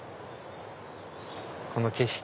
この景色。